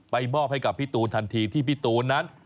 มอบให้กับพี่ตูนทันทีที่พี่ตูนนั้น